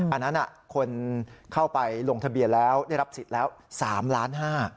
อันนั้นคนเข้าไปลงทะเบียนแล้วได้รับสิทธิ์แล้ว๓ล้าน๕